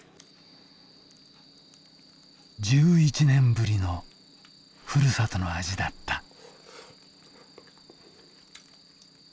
１１年ぶりのふるさとの味だった。